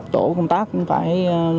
tổ công tác cũng phải